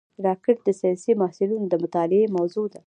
راکټ د ساینسي محصلینو د مطالعې موضوع ده